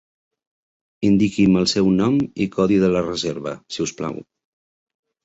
Indiqui'm el seu nom i codi de la reserva si us plau.